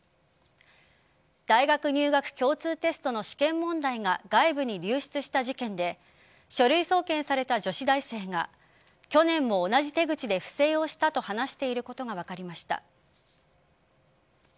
大学入学共通テストの試験問題が外部に流出した事件で書類送検された女子大生が去年も同じ手口で不正をしたと話していることが分かりました。